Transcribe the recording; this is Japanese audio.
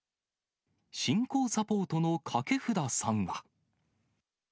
進行サポートの掛札さんは。